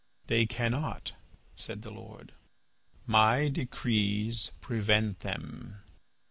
"They cannot," said the Lord; "my decrees prevent them."